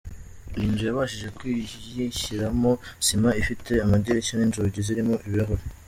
Iyi nzu yabashije kuyishyiramo sima, ifite amadirishya n’inzugi zirimo ibirahuri.